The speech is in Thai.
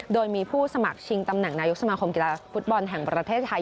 โดยมีผู้สมัครชิงตำแหน่งนายกสมาคมกีฬาฟุตบอลแห่งประเทศไทย